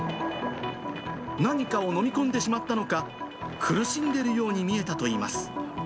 何かを飲み込んでしまったのか、苦しんでるように見えたといいます。